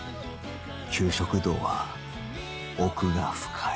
給食道は奥が深い